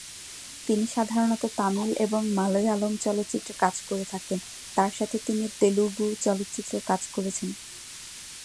তিনি সাধারণত তামিল এবং মালয়ালম চলচ্চিত্রে কাজ করে থাকেন, তার সাথে তিনি তেলুগু চলচ্চিত্রেও কাজ করেছেন।